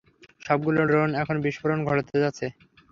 সবগুলো ড্রোন এখন বিস্ফোরণ ঘটাতে যাচ্ছে!